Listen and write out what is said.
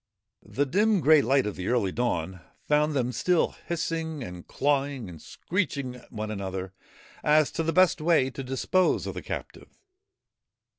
The dim grey light of the early dawn found them still hissing and clawing and screeching at one another as to the best way to dispose of the captive.